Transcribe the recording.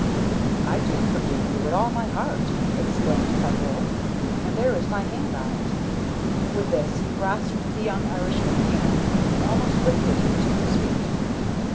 "I do forgive you, with all my heart," exclaimed Peveril, "and there is my hand on it." With this he grasped the young Irishman's hand and almost lifted him to his feet.